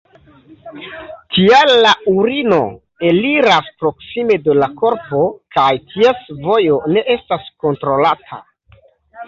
Tial la urino eliras proksime de la korpo kaj ties vojo ne estas kontrolata.